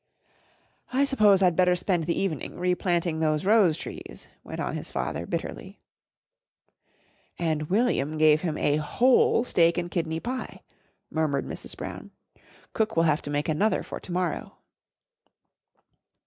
"I suppose I'd better spend the evening replanting those rose trees," went on his father bitterly. "And William gave him a whole steak and kidney pie," murmured Mrs. Brown. "Cook will have to make another for to morrow."